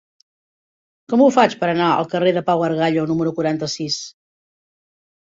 Com ho faig per anar al carrer de Pau Gargallo número quaranta-sis?